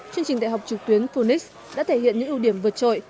chương trình đại học trực tuyến phunix đã thể hiện những ưu điểm vượt trội